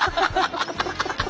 ハハハハ！